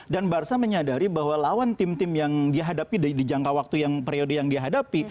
dan bersa menyadari bahwa lawan tim tim yang dihadapi di jangka waktu yang periode yang dihadapi